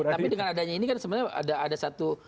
tapi dengan adanya ini kan sebenarnya ada satu